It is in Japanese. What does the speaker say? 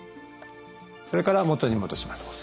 それから元に戻します。